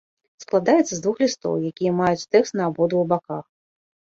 Складаецца з двух лістоў, якія маюць тэкст на абодвух баках.